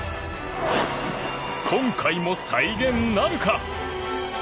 今回も再現なるか？